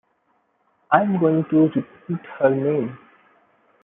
I am going to repeat her name.